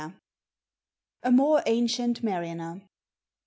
A MOEE ANCIENT MARINER.